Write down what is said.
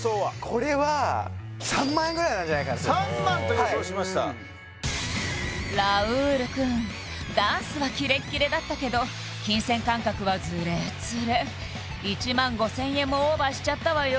これは３００００円ぐらいなんじゃ３００００という承知しましたラウールくんダンスはキレッキレだったけど金銭感覚はズレッズレ１５０００円もオーバーしちゃったわよ